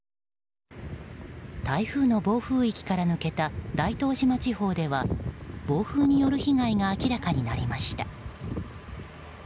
台風の暴風域から抜けた大東島地方では暴風による被害が明らかになりました。